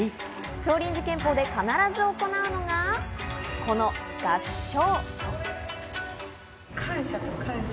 少林寺拳法で必ず行うのが、この合掌。